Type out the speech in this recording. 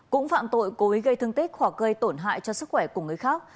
cũng phạm tội cố ý gây thương tích hoặc gây tổn hại cho sức khỏe của người khác